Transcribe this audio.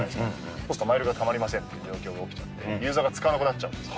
そうするとマイルがたまりませんという状況が起きて、ユーザーが使わなくなっちゃうんですよ。